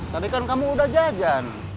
tadi kan kamu udah jajan